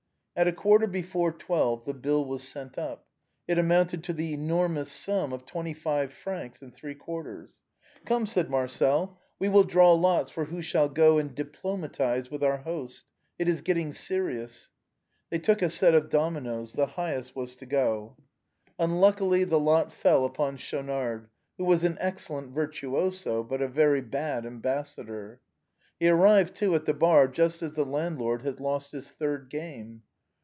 At a quarter before twelve the bill was sent up. It amounted to the enormous sum of twenty five francs and three quarters. " Come," said Marcel, " we will draw lots for who shall go and diplomatize with our host. It is getting serious." They took a set of dominoes ; the highest was to go. Unluckily, the lot fell upon Schaunard, who was an A BOHEMIAN CAFE. 131 excellent virtuoso, but a very bad ambassador. He ar rived, too, at the bar just as the landlord had lost his third game.